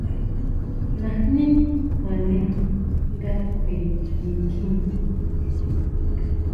Najní kjuane nga kjue nitjín.